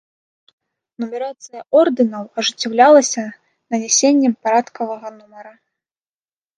Нумарацыя ордэнаў ажыццяўлялася нанясеннем парадкавага нумара.